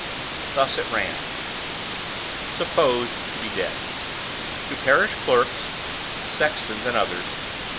Thus it ran: SUPPOSED TO BE DEAD. To parish clerks, sextons, and others.